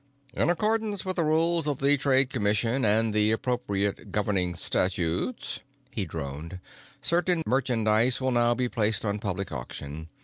"In accordance with the rules of the Trade Commission and the appropriate governing statutes," he droned, "certain merchandise will now be placed on public auction.